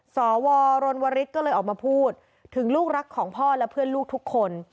สวรรณวริสก็เลยออกมาพูดถึงลูกรักของพ่อและเพื่อนลูกทุกคน